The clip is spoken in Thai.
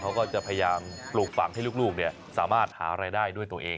เขาก็จะพยายามปลูกฝังให้ลูกสามารถหารายได้ด้วยตัวเอง